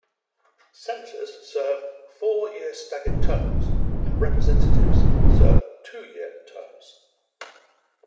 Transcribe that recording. Senators serve four-year staggered terms and representatives serve two-year terms.